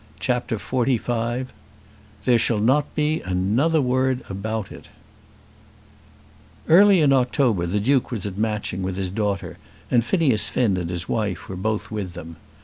CHAPTER XLV "There Shall Not Be Another Word About It" Early in October the Duke was at Matching with his daughter, and Phineas Finn and his wife were both with them.